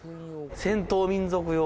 「戦闘民族用」